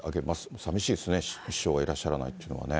さみしいですね、師匠がいらっしゃらないというのはね。